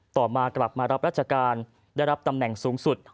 ต่อมากลับมารับราชการได้รับตำแหน่งสูงสุด